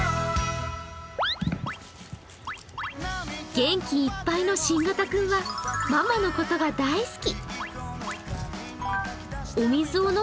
元気いっぱいの新型くんはママのことが大好き。